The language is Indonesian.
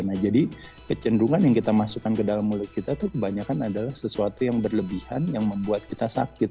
nah jadi kecenderungan yang kita masukkan ke dalam mulut kita tuh kebanyakan adalah sesuatu yang berlebihan yang membuat kita sakit